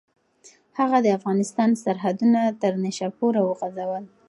هغه د افغانستان سرحدونه تر نیشاپوره وغځول.